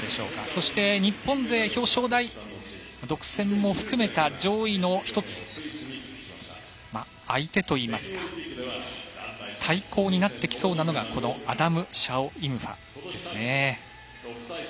そして日本勢表彰台独占も含めた上位の１つ、相手といいますか対抗になってきそうなのがアダム・シャオイムファですね。